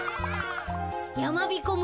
やまびこ村